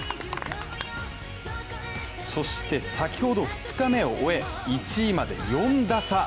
そして先ほど、２日目を終え１位まで４打差。